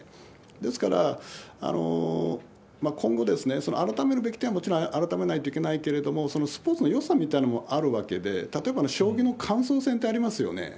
ですから、今後、その改めるべき点はもちろん改めないといけないけれども、そのスポーツのよさみたいなものもあるわけで、例えば将棋の感想戦ってありますよね。